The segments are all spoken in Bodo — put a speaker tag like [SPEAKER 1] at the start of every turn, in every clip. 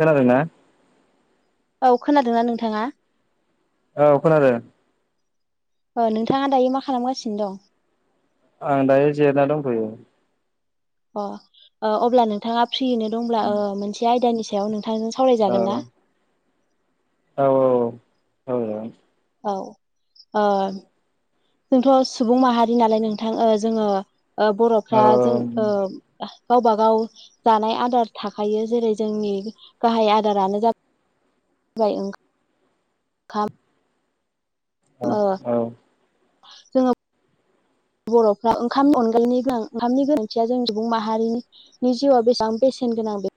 [SPEAKER 1] खोनादों ना?
[SPEAKER 2] औ खोनादोंना नोंथाङा?
[SPEAKER 1] औ खोनादों।
[SPEAKER 2] अ नोंथाङा दायो मा खालामगासिनो दं?
[SPEAKER 1] आं दायो जिरना दंथ'यो।
[SPEAKER 2] अ अ अब्ला नोंथाङा फ्रियैनो दंब्ला ओ मोनसे आयदानि सायाव नो थां सावरायजागोन ना?
[SPEAKER 1] औ औ औ औ औ
[SPEAKER 2] औ अ जोंथ' सुबुं माहारि नालाय नोंथां ओ जोङो ओ बर'फ्रा जों ओ गावबा गाव जानाय आदार थाखायो जेरै जोंनि गाहाय आदारानो जा जाबाय ओंखाम
[SPEAKER 1] अ औ
[SPEAKER 2] जोंङो बर'फ्रा ओंखाम अनगायनि गोनां ओंखामनि गोनांथिया जों सुबुं माहारिनि जिउआव बेसेबां बेसेन गोनां बे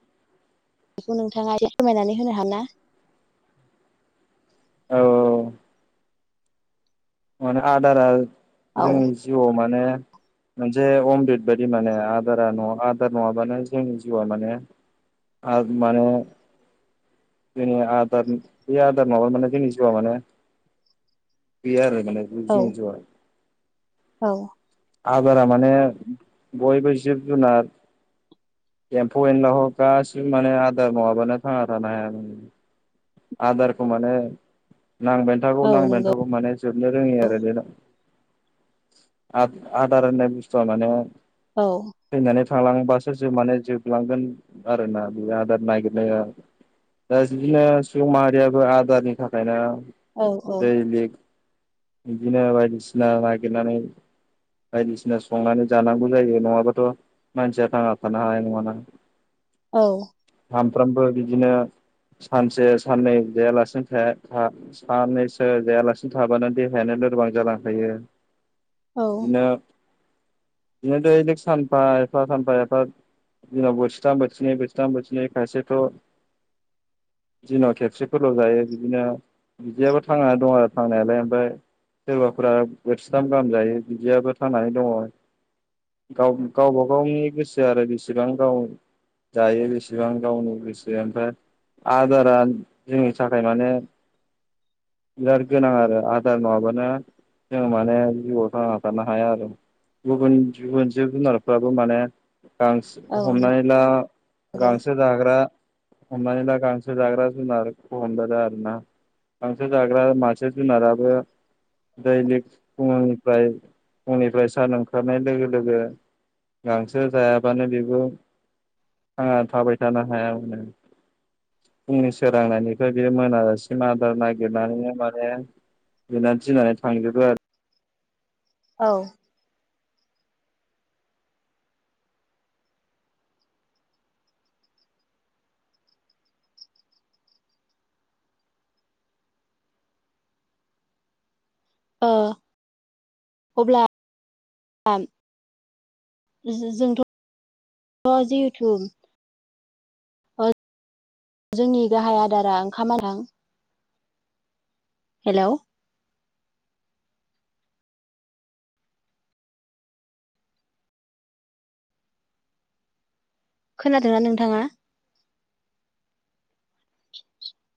[SPEAKER 2] बेखौ नोंथाङा एसे फोरमायनानै होनो हा ना?
[SPEAKER 1] औ माने आदारा
[SPEAKER 2] औ
[SPEAKER 1] जोंनि जिउआव माने
[SPEAKER 2] [inaudible]
[SPEAKER 1] मोनसे अमृत बायदि माने आदारा न आदार नङाबानो जोंनि जिउआ माने आरो माने जोंनि आदार बे आदार नङाबा माने जोंनि जिउआ माने बियार मान बुज
[SPEAKER 2] औ
[SPEAKER 1] ज [inaudible]
[SPEAKER 2] औ
[SPEAKER 1] आदारा माने बयबो जिब जुनार एम्फौ एनला ह गासिबो माने आदार नङाबानो थांना थानो हाया आदारखौ मोनो नांबायानो थागौ
[SPEAKER 2] औ
[SPEAKER 1] नांबायानो
[SPEAKER 2] नंगौ
[SPEAKER 1] थागौ माने जोबनो रोङै आरो बेल' आ आदार होननाय बुस्थुआ माने
[SPEAKER 2] औ
[SPEAKER 1] थैनानै थांलांबासो जो माने जोबलांगोन आरो ना बे आदार नागिरनाया दा जिबिया सुबुं माहारियाथ आदारनि थाखाय ना
[SPEAKER 2] औ
[SPEAKER 1] दै बेग बिदिनो बायदिसिना नागिरनानै बायदिसिना संनानै जानांगौ जायो नङाबाथ' मानसिया थांना थानो हानाय नङाना
[SPEAKER 2] औ
[SPEAKER 1] सामफ्रोमबो बिदिनो सानसे साननै जायालासिनो थाया था साननैसो जायालासिनो थाबानो देहायानो लोरबां जालांखायो
[SPEAKER 2] [inaudible]
[SPEAKER 1] बिदिनो बिदिनो दैलिक सानफा एफा सानफा एफा दिनाव बोथिथाम बोथिनै बोथिथाम बोथिनै खायसेथ दिनाव खेबसेफोरल' जायो बिदिनो बिदियाबो थांनानै दं आरो थांनायालाय दा सोरबाफोरा बोथिथाम गाहाम जायो बिदियाबो थांनानै दङ गाव गावबा गावनि गोसो आरो बेसेबां गाव जायो बेसेबां गावनो बेसे ओमफ्राय आदारा जोंनि थाखाय माने बिराद गोनां आरो आदार नङाबानो जों माने जिउआव थाङा बारनो हाया आर' गुबुन गुबुन जिब जुनारफ्राबो माने
[SPEAKER 2] औ
[SPEAKER 1] गांसो हमनानै ला
[SPEAKER 2] नंगौ
[SPEAKER 1] गांसो जाग्रा हमनानै ला गांसो जाग्रा जुनारखौ हमजागोन आरो ना गांसो जाग्रा मासे जुनाराबो दैलिग फुंनिफ्राय फुंनिफ्राय सान ओंखारनाय लोगो लोगो गांसो जायाबानो बेबो आ थाबायथानो हाया होनदो फुंनि सोरांनायनिफ्राय बे मोनाजासिम आदार नागिरनानैनो माने बेना दिनानो थांजोबो आ
[SPEAKER 2] औ अ अब्ला आम जों जोंथ जेहेटु अ जोंनि गाहाय आदारा ओंखामा [unintelligible] हेलौ खोनादोंना नोंथाङा? [inaudible]